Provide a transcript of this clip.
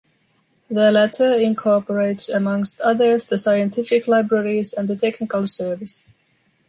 The latter incorporates amongst others the scientific libraries and the technical service.